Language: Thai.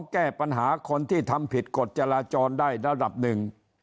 แก้ปัญหาคนที่ทำผิดกฎจราจรได้ระดับหนึ่ง